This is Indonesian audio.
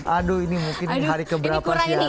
aduh ini mungkin hari keberapa sih